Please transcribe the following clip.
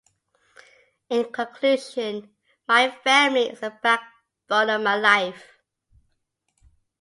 In conclusion, my family is the backbone of my life.